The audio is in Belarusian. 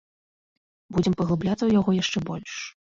Будзем паглыбляцца ў яго яшчэ больш.